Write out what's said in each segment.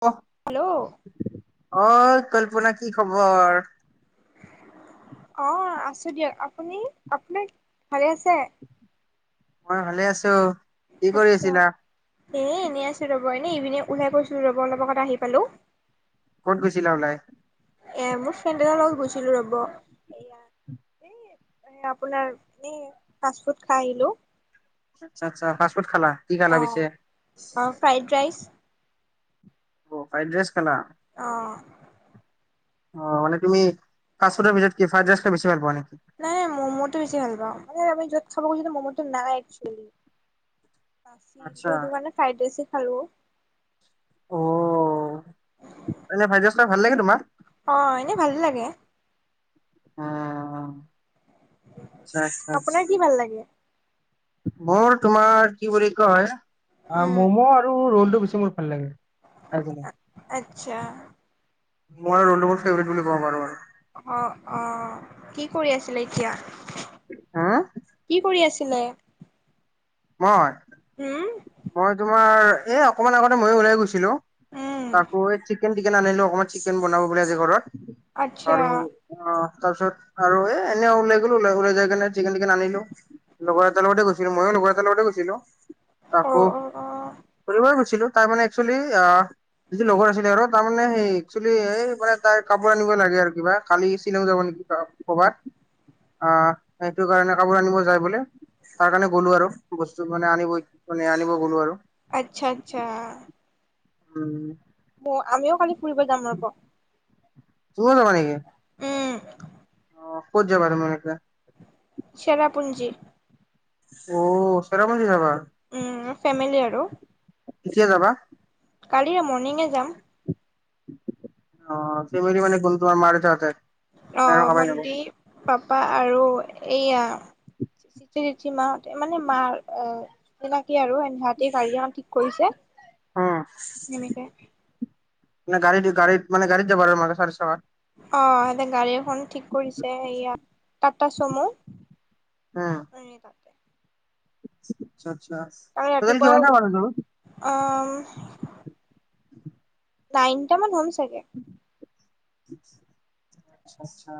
অ hello অ কল্পনা কি খবৰ অ আছো দিয়ক আপুনি আপোনাৰ ভালে আছে মই ভালে আছো কি কৰি আচ্ছা আছিলা? এ এনেই আছো ৰব এনে ইভিনে ওলাই গৈছো ৰব অলপ আগত আহি পালো কত গৈছিলা ওলায় এ মোৰ ফ্ৰেণ্ড এজনৰ লগত গৈছিলো ৰব এয়া এ আপোনাৰ এনে ফাষ্ট ফুড খাই আহিলো আচা আচ্ছা ফাষ্ট ফুড খালা কি খালা অঁ পিছে অঁ ফ্ৰাইড ৰাইচ অ ফ্ৰাইড ৰাইচ খালা অ অ মানে তুমি ফাষ্টফুডৰ ভিতৰত কি ফ্ৰাইড ৰাইচ খাই বেছি ভাল পোৱা নেকি? নাই নাই ম'ম'টো বেছি ভাল পাওঁ মানে আমি য'ত খাব গৈছিলো ম'ম'টো নাই একচেলি নাছিল আচ্ছা সেটো কাৰণে ফ্ৰাইড ৰাইচে খালো অ এনেই ফ্ৰাইড ৰাইচ খাই ভাল লাগে তোমাৰ অ এনেই ভালে লাগে অ আচ্ছা আচ্ছা আপোনাৰ আচ্ছা কি ভাল লাগে মোৰ তোমাৰ কি বুলি কয় উম ম'ম' আৰু ৰলটো বেছি মোৰ ভাল লাগে [unintelligible] আচ্ছা মই ৰোলটো মোৰ ফেভেৰেট বুলি কব পাৰোঁ আৰু অ অ কি কৰি আছিলে এতিয়া উম কি কৰি আছিলে? মই উম, মই তোমাৰ এই অকমান আগতে ময়ো ওলাই গৈছিলো উম, আকৌ এই চিকেন টিকেন আনিলো অকমান চিকেন বনাব বুলে আজি ঘৰত আচ্ছা আৰু অ তাৰপিছত আৰু এ এনে ওলাই গলো ওলাই যাই কেনে চিকেন টিকেন আনিলো লগৰ এটাৰ লগতে গৈছিলো ময়ো লগৰ এটাৰ লগতে গৈছিলো আকৌ অ', অ', অ'। ফুৰিব গৈছিলো ছিলো তাৰ মানে এক্সচুলি যিটো লগৰ আছিলে আৰু তাৰমানে সেই একচলি এই মানে তাই কাপোৰ আনিব লাগে আৰু কিবা কালি শ্বিলং যাব নেকি ত কৰবাত আহ সেইটো কাৰণে কাপোৰ আনিব যাই বোলে তাৰ কাৰণে গ'লো আৰু বস্তু মানে আনিবই মানে আনিব গ'লো আৰু আচ্ছা আচ্ছা উম আমিও কালি ফুৰিব যাম ৰব তুমিও যাবা নিকি? উম, অ ক'ত যাবা তোমালোকে চেৰাপুঞ্জী অ চেৰাপুঞ্জি যাবা উম, ফেমিলি আৰু। কেতিয়া যাবা কালিয়ে মৰ্ণিঙে যাম অ ফেমেলি মানে কোন তোমাৰ মা দেউতাহতে অ ভণ্টি পাপা আৰু এইয়া চিতি ৰীতিৰ মা মানে মাৰ অ চিনাকি আৰু ভাইটি গাড়ী এখন ঠিক কৰিছে এনেকে মানে গাড়ী গাড়ীত মানে গাড়ীত যাবা আৰু মানে চাৰে চবাৰ অ সিহতে গাড়ী এখন ঠিক কৰিছে এইয়া টাটা চমু উম হেই তাতে আচ্ছা আচ্ছা কালি টোটেল ৰাতিপুৱাই কিমান টা মানুহ যাব অ নাইনটা মান হ'ম চাগে আচ্ছা আচ্ছা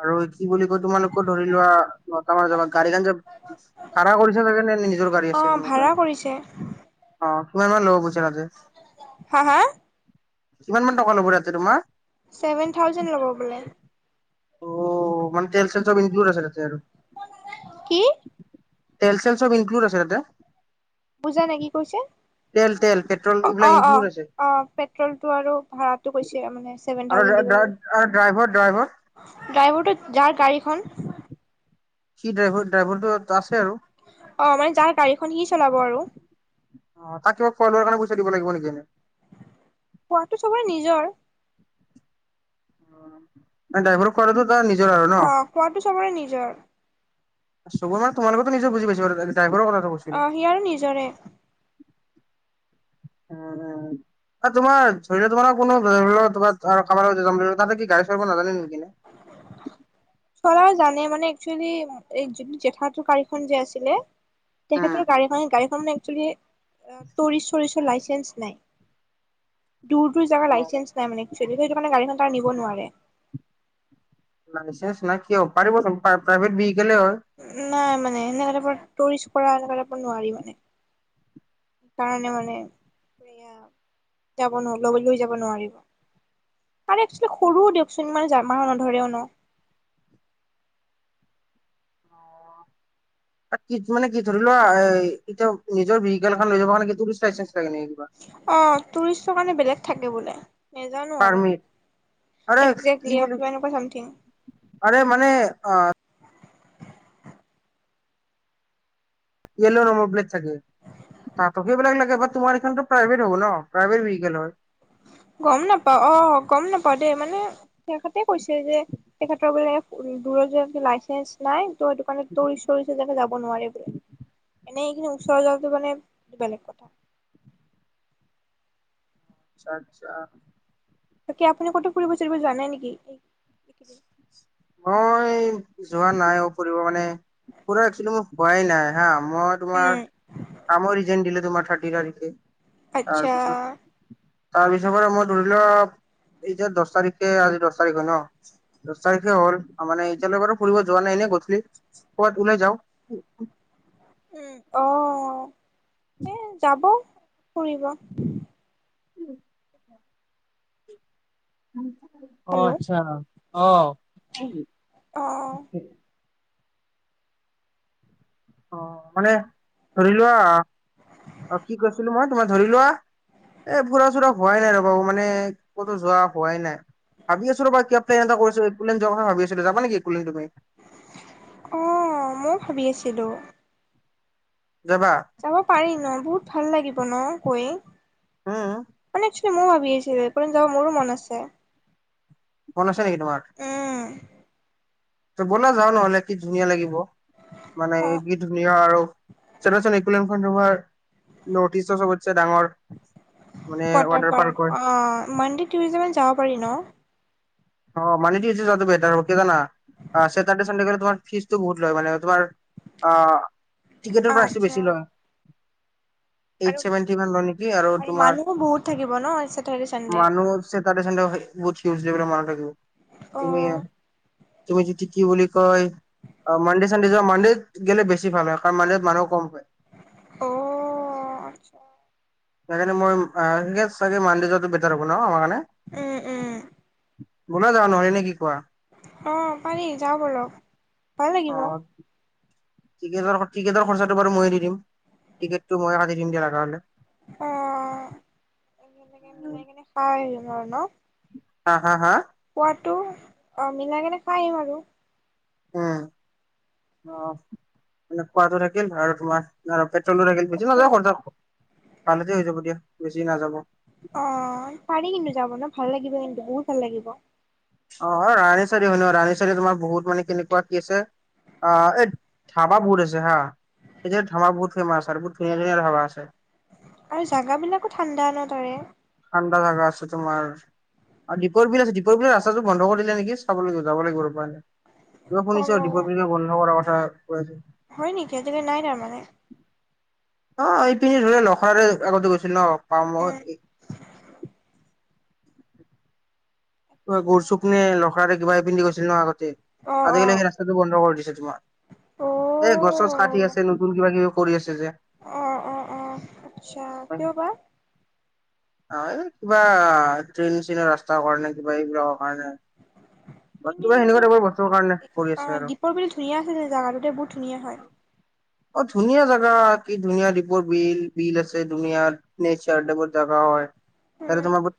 আৰু কি বুলি কয় তোমালোকৰ ধৰি লোৱা নট [unintelligible] গাড়ীখন যে ভাড়া কৰি আনিছা নে নিজৰ গাড়ী অ আছে মো ভাড়া কাৰণে কৰিছে অ কিমান মান ল'ব পইছা তাতে হা হা কিমান মান টকা ল'ব তাতে তোমাৰ ছেভেন থাউজেণ্ড ল'ব বোলে অ মানে তেল চেল চব ইনক্লুড আছে তাতে আৰু কি তেল চেল চব ইনক্লুড আছে তাতে বুজা নাই কি কৈছে তেল তেল পেট্ৰল এইবিলাক অ অ ইনক্লুড আছে অ পেট্ৰল টো আৰু ভাড়া টো কৈছে মানে ছেভেন তাত থাউজেণ্ড ডা ড্ৰাইভৰ ড্ৰাইভৰ ড্ৰাইভৰটো যাৰ গাড়ীখন কি ড্ৰাইভৰ ড্ৰাইভৰটো আছে আৰু অ মানে যাৰ গাড়ীখন সি চলাব আৰু অ তাক কিবা খোৱা লোৱাৰ কাৰণে পইছা দিব লাগিব নেকি এনে খোৱাটো চবৰ নিজৰ মানে ড্ৰাইভৰ খোৱাটো তাৰ নিজৰ আৰু ন অ খোৱাটো চবৰে নিজৰ চবৰ মান তোমালোকৰ নিজেও বুজি পাইছোঁ আৰু ড্ৰাইভৰ কথাটো কৈছোঁ অ সিয়াৰো নিজৰে আ এ তোমাৰ ধৰি ল তোমাৰ কোনো ধৰি ল তোমাৰ আ কাবা-ৰো যিজন যাব তাতে কি গাড়ী চলাব নাজানে নি কিনে [unintelligible] চলাব জানে মানে একছলি এ যে জেঠাটো গাড়ীখন যে আছিলে তেখেতৰ গাড়ীখ গাড়ীখন মানে একচুৱেলি টুৰিষ্টৰ চুৰিচৰ লাইচেঞ্চ নাই। দূৰ দূৰ জাগা লাইচেঞ্চ নাই মানে একচুৱেলি, সেইটো কাৰণে গাড়ীখন তাৰ নিব নোৱাৰে। লাইচেন্স নাই কি হব পাৰিব প্ৰা প্ৰাইভেট ভেৰিকেলে হয় নাই মানে এনেকোৱা টাইপৰ টুৰিষ্ট কৰা এনেকোৱা টাইপৰ নোৱাৰি মানে। সেই কাৰণে মানে এয়া য়া যাব ন লৈ যাব নোৱাৰিব? আৰু একচুয়েলি সৰু দিয়কচোন মানে জা মাহৰ নধৰেও ন? তাত কি মানে কি ধৰি লোৱা এ এতিয়া নিজৰ ভেৰিকেল এখন লৈ যাব কাৰণে টুৰিষ্ট লাইচেঞ্চ লাগে নেকি কিবা? অ টুৰিষ্টৰ কাৰণে বেলেগ থাকে বোলে। নেজানো আৰু পাৰ্মিট আৰে কি একজেক্টলি আৰু বুলি কিবা এনেকুৱা চামথিং। আৰে মানে আ য়েল্ল নম্বৰ প্লেট থাকে। তাতত সেইবিলাক লাগে তোমাৰ এইটো প্ৰাইভেট হব ন প্ৰাইভেট ভেৰিকেল হয়। গম নাপাওঁ অ গম নাপাও দেই মানে তেখেতে কৈছে যে তেখেতৰ বোলে দূৰ যোৱা লাইচেঞ্চ নাই তোৰ এইটো কাৰনে টুৰিষ্ট - চুৰিছ যাব নোৱাৰি বোলে। এনেই এইখিনি ওচৰ যোৱাটো মানে বেলেগ কথা। আচ্ছা আচ্ছা। তাকে আপুনি কতো ফুৰিব চুৰিব যোৱা নাই নেকি? মই যোৱা নাই অ ফুৰিব মানে পুৰা একচোৱেলি মোৰ হোৱাই নাই হা, মই উম, তোমাৰ কামৰ ৰিজেন দিলে তোমাৰ থাৰ্টি তাৰিখে, আচ্ছা তাৰপিছত তাৰ পিছৰ পৰা মই ধৰি লোৱা এই যে দছ তাৰিখে আজি দছ তাৰিখে ন? দছ তাৰিখে হ'ল আৰু মানে এইতিয়ালৈকে ফুৰিব যোৱা নাই নে কথিল? কবাত ওলাই যাও। উম অ এ যাব ফুৰিব। অ হেল্ল' আচ্ছা অহ। অঁ। অ মানে ধৰি লোৱা, অ কি কৈছিলো মই তোমাৰ ধৰি লোৱা এ ফুৰা - চুৰা হোৱাই নাই ৰবা মানে ক'তো যোৱা হোৱাই নাই? ভাবি আছো ৰবা কিয় এ প্লেন এটা কথা ভাবি [unintelligible] আছো যাবা নেকি [inaudible] একিন তুমি অ মইও ভাবি আছিলো। যাবা? যাব পাৰি ন, বহুত ভাল লাগিব ন গৈ উম মানে জো ময়ো ভাবি আছিলো এৰুপ্লেন যাব মোৰো মন আছে। মন আছে নেকি তোমাৰ? উম, ত বলা যাও নহলে কি ধুনীয়া লাগিব মানে অ', কি ধুনীয়া আৰু চনা চোন এৰুপ্লেণ অ তোমাৰ নৰ্থ ইষ্টৰ চবতছে ডাঙৰ মানে ৱাটাৰ পাৰ্কৰ হয়। অ মন্দি টুৰিজত যাব পাৰি ন? অ মানে যি হৈছে যোৱাটো বেটাৰ হব কি জানা? আ চেটাৰ্ডে ছানডে তোমাৰ ফিজটো বহুত লয় মানে তোমাৰ অ টিকেটৰ প্ৰাইচটো আচ্ছা বেছি লয়। এইট আৰু ছেভেনটি মান লয় নেকি আৰু তোমাৰ মানুহো বহুত থাকিব ন চেটাৰডে চানডে মানুহ চেটাৰ্ডে ছানডে ৰখী [inaudible] বুিউজ মান থাকিব তুমি অ', ইয়াত তুমি যদি কি বুলি কয়? অ মানডে চানডে যোৱা মানডেত গেলে বেছি ভাল হয় কাৰণ মানডেত মানুহ কম পায়। অ আচ্ছা। সেইকাৰণে মই আ এই চাগে মানডে যোৱাটো বেটাৰ হ'ব ন আমাৰ কাৰণে? উম উম। বলা যাওঁ নহয় নে কি কোৱা? অ পাৰি যাওঁ বলক, ভাল অ লাগিব। টিকেটৰ খৰচাটো বাৰু মইয়ে দিম টিকেটটো মইয়ে কাটি দিম দিয়া লগা হ'লে। অ, হয় বাৰু ন। হা হা হা। পোৱাতো অ মিলাই কেনে খাই‌ আহিম আৰু উম অ মানে খোৱাটো থাকিল আৰু তোমাৰ- পেট্ৰলৰ লাগিল বেছি নাযাব খৰচা তালৈকে হৈ যাব দিয়া বেছি নাযাব। অ পাৰি কিন্তু যাব ন ভাল লাগিব কিন্তু বহুত ভাল লাগিব। অ ৰাহি চাহি শুন ৰাহি চাৰি তোমাৰ বহুত মানে কেনেকুৱা কি আছে। আহ এই ধাবা বহুত আছে হা। এতিয়া ধাবা বহুত ফেমাচ বহুত ধুনীয়া ধুনীয়া ধাবা আছে। আৰু জাগা বিলাকো ঠাণ্ডা ন তাৰে। ঠাণ্ডা জাগা আছে তোমাৰ। আৰু দ্বীপৰ বিল আছে দ্বীপৰ বিল ৰাস্তাটো বন্ধ কৰিলে নেকি চাবলৈ যাব লাগিব ৰবা। কোৱা শুনিছোঁ দ্বীপৰ অ', বিলৰ বন্ধ কৰাৰ কথা কৈ আছে। হয় নেকি তুমি নাই তাৰমানে? অ এই পিন্ধি ধৰি নখৰাইৰে আগতে গৈছিল ন পাম উম। মই গুৰ চুপ নে লখৰাৰে কিবা এইপিনি দি গৈছিলি ন আগতে অ', আজিকালি অ', সেই ৰাস্তাটো বন্ধ কৰি দিছে অ', তোমাৰ। এ গছ চছ কাটি আছে নতুন কিবা কিবি কৰি আছে যে। অ অ অ আতচ্ছা কিয় বা? অ এই কিবা ট্ৰেইন চেইন ৰাস্তা কাৰণে কিবা এইবিলাকৰ কাৰণে। কিন্তু বাকীবোৰ সেনেকোৱা এইটো টাইপৰ বস্তু কাৰন অ দ্বীপৰ বিল ধুনীয়া আছিল জাগাটো দে বহুত ধুনীয়া হয়। অ ধুনীয়া জাগা কি ধুনীয়া দ্বীপৰ বিল বিল আছে দুনিয়াত। নেচাৰ ডবৰ জাগা হয় উম। তাতে তোমাৰ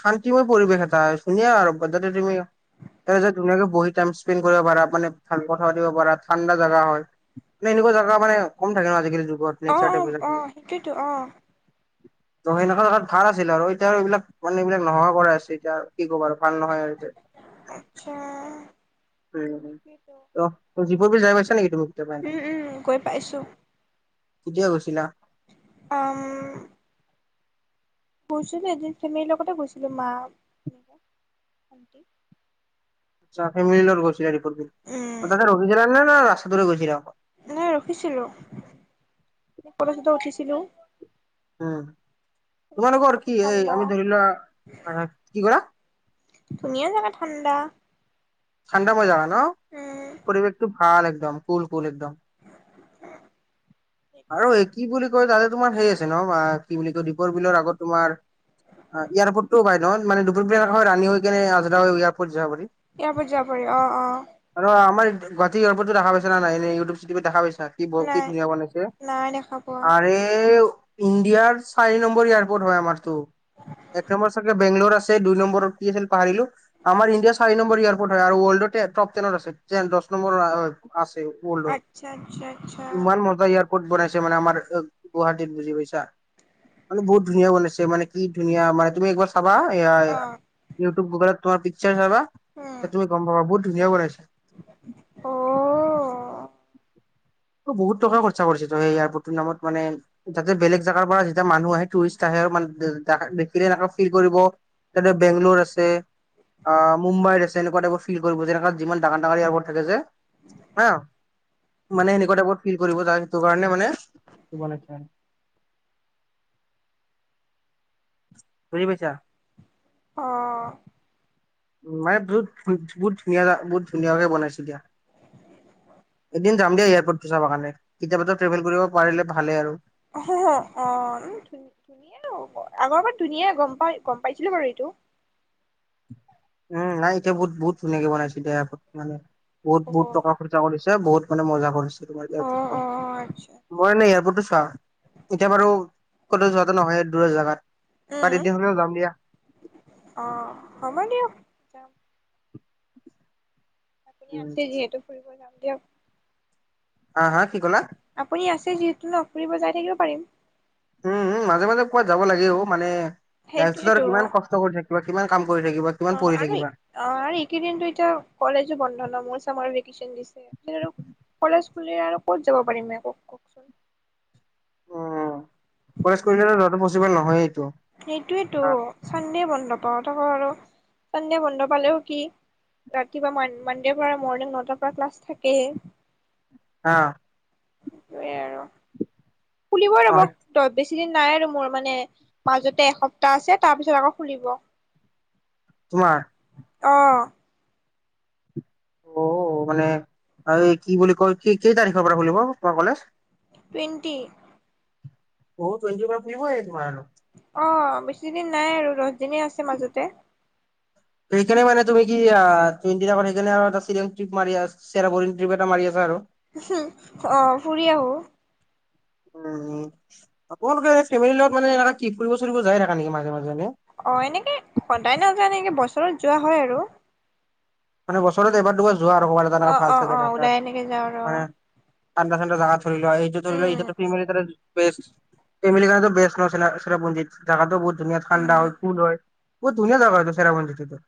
শান্তিময় পৰিৱেশ এটা ধুনিয়া আৰু যাতে তুমি তাতে যে ধুনীয়াকে বহি টাইম স্পেণ্ড কৰিব পাৰা মানে ভাল কথা পাতিব পাৰা ঠাণ্ডা জাগা হয়। মানে এনেকুৱা জাগা মানে কম থাকে ন আজিকালি যুগত নেচাৰ টাইপত যোনখিনি সেইটোৱে টো অ ত সেনেকা তাত ভাল আছিল আৰু এতিয়া আৰু এইবিলাক মানে এইবিলাক নোহোৱা কৰাই আছে এতিয়া আৰু কি কবা আৰু ভাল নহয় আৰু এতিয়া। আতচ্ছা। উ ত দ্বীপৰ বিল যাই পাইছা নেকি তুমি কেতিয়াবা এনেকা উম উম গৈ পাইছো কেতিয়া গৈছিলা? অম গৈছিলোঁ এদিন ফেমিলিৰ লগতে গৈছিলোঁ মা এনেকা ভণ্টি যোৱা ফেমিলি লগত গৈছিলা দ্বীপৰ বিল উম তাতে ৰখিছিলা নে ন ৰাস্তাটোৰে গৈছিলা অকল নাই ৰখিছিলো কলেজতে উঠিছিলোঁ। উম তোমালোকৰ জেগা বহুত কি এই ঠাণ্ডা আমি ধৰিলোৱা কি কৰা। ধুনিয়া জাগা ঠাণ্ডা। ঠাণ্ডা মজা হয় ন উম পৰিৱেশটো ভাল একদম কুল কুল একদম। আৰু এই কি বুলি কয় তাতে তোমাৰ হেৰি আছে ন কি বুলি কয় দ্বীপৰ বিলৰ আগত তোমাৰ এয়াৰপৰ্টটো পাই নহয় মানে দ্বীপৰ বিল হয় ৰানী হৈ কিনি আজৰা হৈ এয়াৰপৰ্ট যাব পাৰি। এয়াৰপৰ্ট যাব পাৰি অ অ আৰু আমাৰ গুৱাহাটী এয়াৰপৰ্টটো দেখা পাইছা নাই এনে ইউটউব চিটিউব দেখা পাইছা। কি বৰ কি নাই ধুনীয়া বনাইছে নাই দেখা পোৱা আৰে ইণ্ডিয়াৰ চাৰি নম্বৰ এয়াৰপোৰ্ট হয় আমাৰতো এক নম্বৰ চাগে বেংগলৰ আছে দুই নম্বৰত কি আছিল পাহৰিলোঁ আমাৰ ইণ্ডিয়া চাৰি নম্বৰ ইয়াৰ। হয় আৰু ৱৰ্ল্ডৰ টপ টেনত আছে দহ নম্বৰ আছে। ৱৰ্ল্ডৰ আচ্ছা - আচ্ছা - আচ্ছা। ক'ত বনাইছে মানে আমাৰ গুৱাহাটীত, বুজি পাইছাঁ? মানে বহুত ধুনীয়া বনাইছে, মানে কি ধুনীয়া। মানে তুমি একবাৰ চাবা অ ইউটিউব গুগলত তোমাৰ পিকাৰ চাবা। উম তেতিয়া তুমি গম পাবা বহুত ধুনীয়া বনাইছা। অ'। অ' বহুত টকা খৰচা কৰিছেতো সেই এয়াৰপৰ্টটোৰ নামত, মানে যাতে বেলেগ জেগাৰ পৰা যেতিয়া মানুহ আহে, টুৰিষ্ট আহে, আৰু মানে [unintelligible] দেখা- দেখিলে এনেকা ফিল কৰিব তাতে বেংলোৰ আছে, অ'- মুম্বাইৰ আছে তেনেকুৱা টাইপৰ ফিল কৰিব, যেনেকা যিমান ডাঙৰ - ডাঙৰ এয়াৰপৰ্ট থাকে যে, [unintelligible] মানে সেনেকুৱা টাইপত ফিল কৰিব, যা সেইটো কাৰণে মানে, বনাইছে। বুজি পাইছা? অ'। উম, মানে বুত- বুত- বহুত ধুনীয়া- বহুত ধুনীয়াকে বনাইছে দিয়া। এদিন যাম দিয়া এয়াৰপৰ্টটো চাবা কাৰণে। কেতিয়াবা ট্ৰেভেল কৰিব পাৰিলে ভালে আৰু। অ', অ'। ধু- ধুনীয়াই হ'ব। আগৰ পৰাই ধুনীয়াই গম পাই- গম পাইছিলোঁ বাৰু এইটো। উম, নাই এতিয়া বহুত - বহুত ধুনীয়াকে বনাইছে এতিয়া [unintelligible] বহুত অ - বহুত টকা খৰচা কৰিছে, বহুত মানে মজা কৰিছে তোমাৰ অ এয়াৰপৰ্টটো। অ আচ্ছা মই এনে এয়াৰপৰ্টটো চা এতিয়া বাৰু ক'তো যোৱাটো নহয়ে, দূৰৰ জাগাত। কালি উম [unintelligible] যাম দিয়া। অ', হব দিয়ক। যাম আপুনি উম আছে যিহেতু, ফুৰিব যাম দিয়ক। হা - হা? কি কলা? আপুনি আছে যিহেতু ন'? ফুৰিব যাই থাকিব পাৰিম। উম, মাজে - মাজে কবাত যাব লাগে ও, মানে লাইফটোত আৰু সেইটোয়েতো কিমান কষ্ ট কৰি থাকিবা, কিমান কাম কৰি থাকিবা। কিমান অ' পঢ়ি আৰু থাকিবা অ' আৰু এইকেইদিনটো এতিয়া কলেজো বন্ধ ন' মোৰ। ছামাৰ ভেকেশ্যন দিছে। [unintelligible] কলেজ খুলিলে আৰু ক'ত যাব পাৰিম এ, ক- কওঁকচোন? উম কলেজ খুলিলেতো যোৱাটো পছিবল নহয়েই এইটো। সেইটোৱেটো। হা ছানডে বন্ধ পাওঁ, তাকো আৰু। ছানডে বন্ধ পালেও কি ৰাতিপুৱা মন- মানডেৰ পৰা মৰ্ণিং নটাৰ পৰা ক্লাছ থাকেয়ে। অ'। সেইটোৱে আৰু। খুলিবই ৰব। অ ত বেছি দিন নাই আৰু মোৰ, মানে মাজতে এসপ্তাহ আছে। তাৰ পিছত আকৌ খুলিব। তোমাৰ অ'। অ' মানে আৰু এই কি বুলি কয়, কি- কেই তাৰিখৰ পৰা খুলিব তোমাৰ কলেজ? টুৱেণ্টি। অ' টুৱেণ্টিৰ পৰা খুলিবই তোমাৰ আৰু। অ' বেছিদিন নাই আৰু। দশ দিনে আছে মাজতে। সেইকাৰণে মানে তুমি কি আ- তিনদিনৰ আগত সেইকাৰণে আৰু এটা শ্বিলং ট্ৰিপ মাৰি আছ চেৰাপৰিং ট্ৰিপ এটা মাৰি আছা আৰু। হঁ, অ' ফুৰি আহোঁ। উম, আপোনালোকে ফেমিলিৰ লগত মানে এনেকা কি, ফুৰিব - চুৰিব যায় থাকা নেকি, মাজে - মাজে এনে? অ' এনেকে সদায় নাযাওঁ। এনেকে বছৰত যোৱা হয় আৰু। মানে বছৰত এবাৰ-দুবাৰ যোৱা আৰু, কবাত এটা অ এনেকা ভাল অ চাই অ জেগা ওলাই এটাত, এনেকে যাওঁ আৰু মানে। ঠাণ্ডা - ঠাণ্ডা জাগা ধৰি লোৱা, এইটো ধৰি লোৱা উম এতিয়াতো [unintelligible] বেষ্ট। ফেমিলিৰ কাৰণেতো বেষ্ট ন', চেৰ- চেৰাপুঞ্জিত। জাগাটো বহুত ধুনীয়া, ঠাণ্ডা উম হয়, কুল হয়। বহু ধুনীয়া জাগা হয়তো চেৰাপুঞ্জীটোতো।